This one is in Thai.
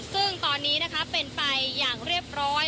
ซึ่งตอนนี้นะคะเป็นไปอย่างเรียบร้อย